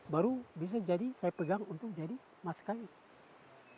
baru bisa jadi saya pegang untuk jadi maskawin